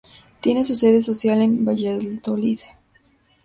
Tiene su sede social en Valladolid.